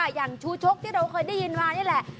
อย่างชูชกที่เราเคยได้ยินมานี่แหละ